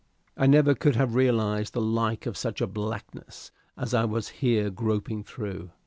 I never could have realized the like of such a blackness as I was here groping through.